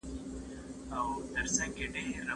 د ونې بېخ د واورو له امله ډېر یخ دی.